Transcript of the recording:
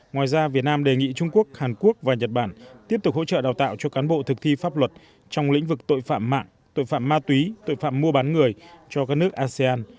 ngoài ra việt nam đề nghị trung quốc hàn quốc và nhật bản tiếp tục hỗ trợ đào tạo cho cán bộ thực thi pháp luật trong lĩnh vực tội phạm mạng tội phạm ma túy tội phạm mua bán người cho các nước asean